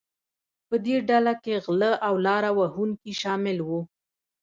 په دې ډله کې غلۀ او لاره وهونکي شامل وو.